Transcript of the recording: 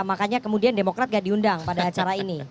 makanya kemudian demokrat gak diundang pada acara ini